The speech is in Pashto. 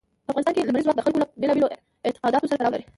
په افغانستان کې لمریز ځواک د خلکو له بېلابېلو اعتقاداتو سره تړاو لري.